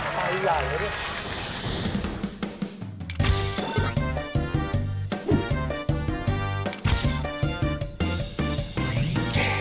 ไปเลย